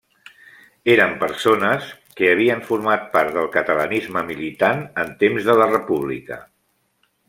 Eren persones que havien format part del catalanisme militant en temps de la República.